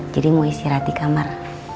jadi mau istirahat di kamar